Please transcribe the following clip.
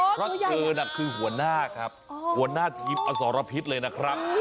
เพราะเธอน่ะคือหัวหน้าครับหัวหน้าทีมอสรพิษเลยนะครับ